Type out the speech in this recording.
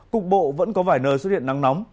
cục bộ vẫn có vài nơi xuất hiện nắng nóng